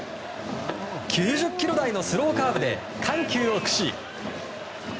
９０キロ台のスローカーブで緩急を駆使。